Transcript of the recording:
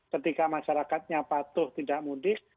ketika masyarakatnya patuh tidak mudik